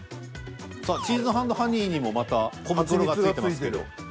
さあチーズ＆ハニーにもまた小袋が付いてますけど。